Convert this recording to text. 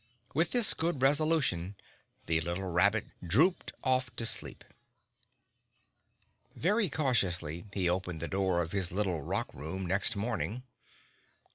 With this good resolution, the little rabbit drooped off asleep. Very cautiously he opened the door of his little rock room next morning.